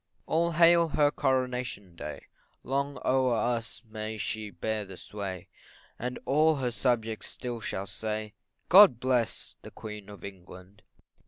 All hail her Coronation day, Long o'er us may she bear the sway, And all her subjects still shall say, God bless the Queen of England.